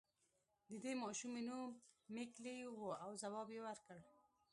د دې ماشومې نوم ميکلي و او ځواب يې ورکړ.